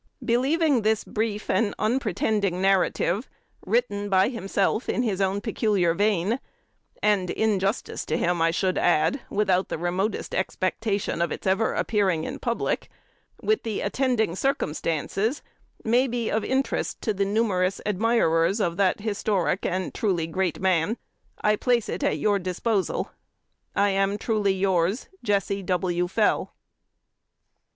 Believing this brief and unpretending narrative, written by himself in his own peculiar vein, and injustice to him I should add, without the remotest expectation of its ever appearing in public, with the attending circumstances, may be of interest to the numerous admirers of that historic and truly great man, I place it at your disposal. I am truly yours, Jesse W. Fell.